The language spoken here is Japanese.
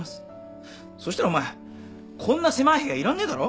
そしたらお前こんな狭い部屋いらんねえだろ？